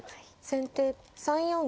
先手３四銀。